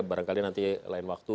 barangkali nanti lain waktu